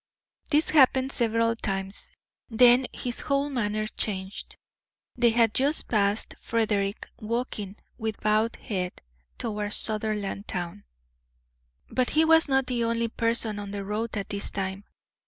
This happened several times. Then his whole manner changed. They had just passed Frederick, walking, with bowed head, toward Sutherlandtown. But he was not the only person on the road at this time.